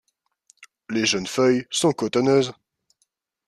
Les jeunes feuilles sont cotonneuses.